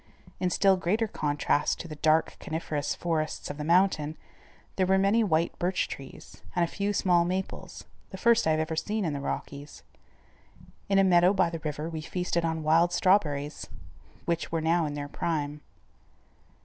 In still greater contrast to the dark coniferous forests of the mountain, there were many white birch trees, and a few small maples, the first I have ever seen in the Rockies. In a meadow by the river we feasted on wild strawberries, which were now in their prime.